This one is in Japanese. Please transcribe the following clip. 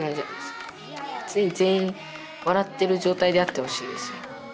常に全員笑ってる状態であってほしいんです。